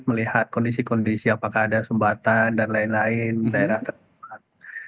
melihat kondisi kondisi apakah ada sumbatan dan lain lain di daerah tempat